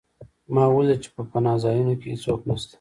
ما ولیدل چې په پناه ځایونو کې هېڅوک نشته